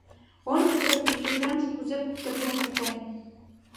— Ончо, Тропий, тӱрвемже кузе куптырген пытен.